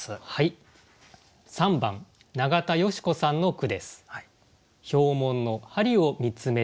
３番永田芳子さんの句です。